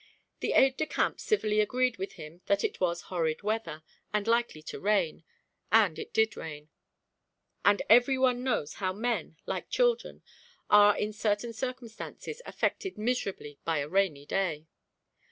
The aide de camp civilly agreed with him that it was horrid weather, and likely to rain, and it did rain; and every one knows how men, like children, are in certain circumstances affected miserably by a rainy day.